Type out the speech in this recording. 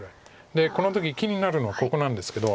でこの時気になるのここなんですけど。